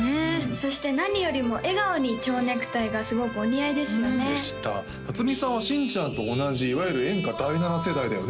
そして何よりも笑顔にちょうネクタイがすごくお似合いですよねでした辰巳さんは新ちゃんと同じいわゆる演歌第７世代だよね